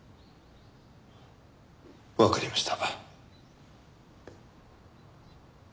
わかりました。